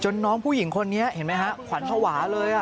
น้องผู้หญิงคนนี้เห็นไหมฮะขวัญภาวะเลย